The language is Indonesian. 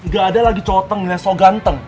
gak ada lagi cowok teng yang so ganteng